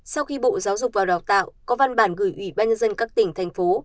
sau khi bộ giáo dục và đào tạo có văn bản gửi ủy ban nhân dân các tỉnh thành phố